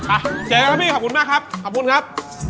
อ่ะเจอกันแล้วพี่ขอบคุณมากครับขอบคุณครับ